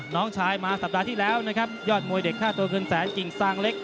น้องชายมาสัปดาห์ที่แล้วนะครับยอดมวยเด็กค่าตัวเงินแสนกิ่งซางเล็ก